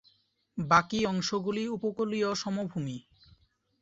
বাকী অংশগুলি উপকূলীয় সমভূমি।